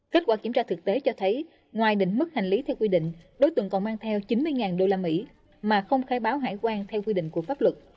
kết quả kiểm tra thực tế cho thấy ngoài định mức hành lý theo quy định đối tượng còn mang theo chín mươi usd mà không khai báo hải quan theo quy định của pháp luật